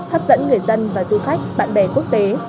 hấp dẫn người dân và du khách bạn bè quốc tế